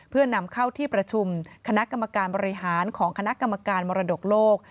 เพื่อนำเข้าที่ประชุมคณะกรรมการบริหารของคณะกรรมการมรดกโลก